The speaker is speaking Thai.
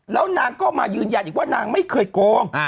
แล้วนางก็มายืนยันอีกว่านางไม่เคยโกง